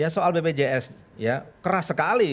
soal bpjs keras sekali